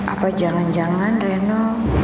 apa jangan jangan reno